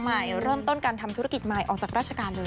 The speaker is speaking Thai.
ใหม่เริ่มต้นการทำธุรกิจใหม่ออกจากราชการเลย